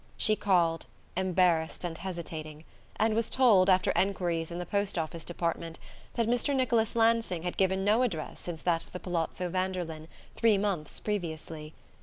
She called, embarrassed and hesitating; and was told, after enquiries in the post office department, that Mr. Nicholas Lansing had given no address since that of the Palazzo Vanderlyn, three months previously.